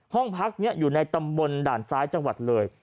ห้องพักนี้อยู่ในตำบลด่านซ้ายจังหวัดเลย